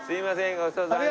ごちそうさまでした。